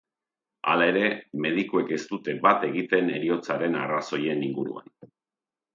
Halere, medikuek ez dute bat egiten heriotzaren arrazoien inguruan.